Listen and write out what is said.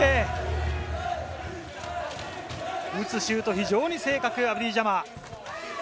打つシュート非常に正確、アブディ・ジャマ。